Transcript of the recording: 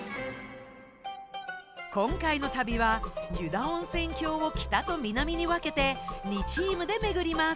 今回の旅は湯田温泉峡を北と南に分けて２チームで巡ります。